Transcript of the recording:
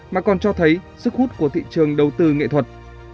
mà còn cho thấy sức hút của thị trường đầu tư nghệ thuật